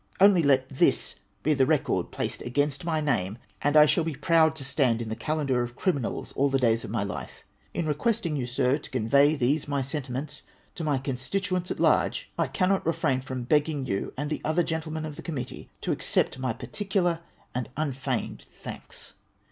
Only let this be the record placed against my name, and I shall be proud to stand in the Calendar of Criminals all the days of my life. In requesting you, sir, to convey these my senti ments to my constituents at large, I cannot refrain from begging you, and the other gentlemen of the committee, to accept my particular and imfeigned thanks.